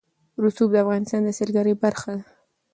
رسوب د افغانستان د سیلګرۍ برخه ده.